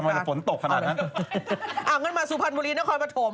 ทำไมจะฝนตกขนาดน่ะอ้างั้นมาสุพรรณบุรีนครปฐม